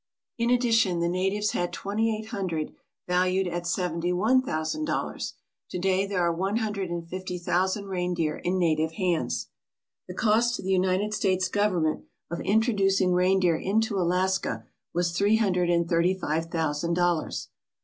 In addition, the natives had twenty eight hundred valued at seventy one thousand dollars. To day there are one hundred and fifty thousand reindeer in native hands. The cost to the United States Government of introduc ing reindeer into Alaska was three hundred and thirty five thousand dollars.